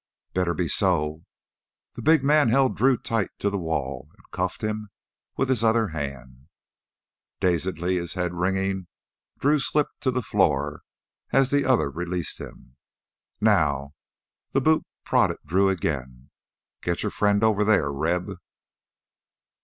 "Better be so!" The big man held Drew tight to the wall and cuffed him with his other hand. Dazedly, his head ringing, Drew slipped to the floor as the other released him. "Now" that boot prodded Drew again "git your friend over thar, Reb."